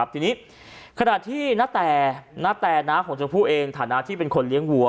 ทีนี้ขณะที่ณแต่น้าของชมพู่เองฐานะที่เป็นคนเลี้ยงวัว